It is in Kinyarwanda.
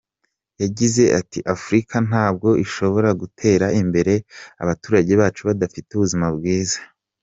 Yagize ati “Afurika ntabwo ishobora gutera imbere abaturage bacu badafite ubuzima bwiza.